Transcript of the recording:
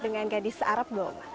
dengan gadis arab belum